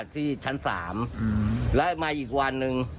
ที่ชั้น๓แล้วมาอีกวันหนึ่ง